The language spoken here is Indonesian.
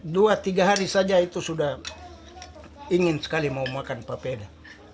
dua tiga hari saja itu sudah ingin sekali mau makan papeda